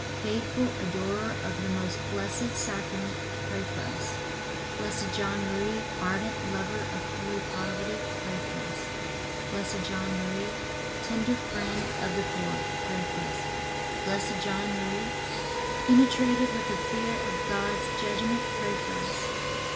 faithful adorer of the Most Blessed Sacrament, pray for us. B. J. M., ardent lover of holy poverty, pray for us. B. J. M., tender friend of the poor, pray for us. B. J. M., penetrated with the fear of God's judgment, pray for us.